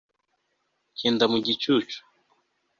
ngenda mu gicucu